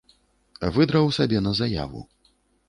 Выдраў сабе на заяву.